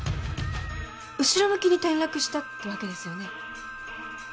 後ろ向きに転落したってわけですよね？